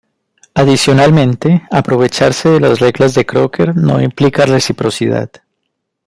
Adicionalmente, aprovecharse de las reglas de Crocker no implica reciprocidad.